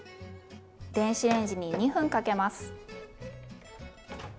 電子レンジに２分かけます。